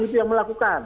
itu yang melakukan